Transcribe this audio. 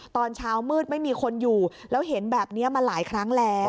ตอนเช้ามืดไม่มีคนอยู่แล้วเห็นแบบนี้มาหลายครั้งแล้ว